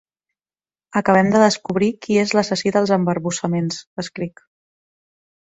“Acabem de descobrir qui és l'assassí dels embarbussaments”, escric.